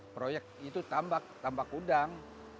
proyek itu tambak tambak udang